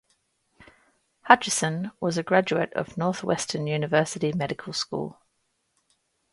Hutcheson was a graduate of Northwestern University Medical School.